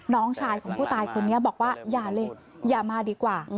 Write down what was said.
น้องชายของผู้ตายคนนี้บอกว่าอย่าเลยอย่ามาดีกว่า